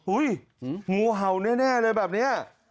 อุ๊ยโง่เฮาแน่แบบนี้